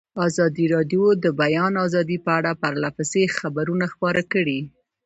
ازادي راډیو د د بیان آزادي په اړه پرله پسې خبرونه خپاره کړي.